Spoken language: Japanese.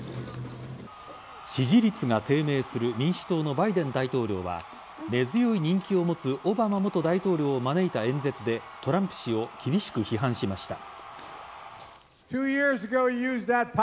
支持率が低迷する民主党のバイデン大統領は根強い人気を持つオバマ元大統領を招いた演説でトランプ氏を厳しく批判しました。